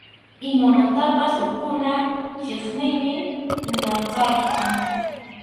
Imamantapas hukkuna chiqniymi ñakayqa.